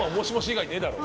以外ねえだろ。